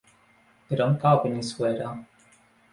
Per on cau Benissuera?